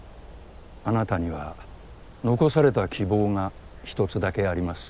あなたには残された希望が１つだけあります。